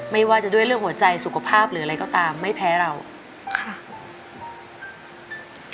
ไม่ว่าจะด้วยเรื่องหัวใจสุขภาพหรืออะไรก็ตามไม่แพ้เราค่ะ